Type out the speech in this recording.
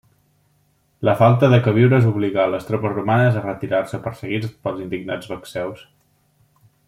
La falta de queviures obligà a les tropes romanes a retirar-se perseguits pels indignats vacceus.